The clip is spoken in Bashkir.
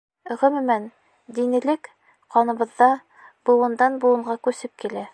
Ғөмүмән, динилек — ҡаныбыҙҙа, быуындан быуынға күсеп килә.